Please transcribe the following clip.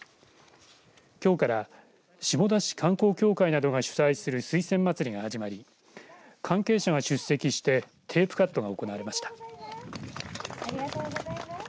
きょうから下田市観光協会などが主催する水仙まつりが始まり関係者が出席してテープカットが行われました。